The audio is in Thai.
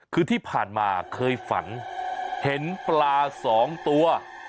คือที่ผ่านมาเคยฝันเห็นปลาสองตัว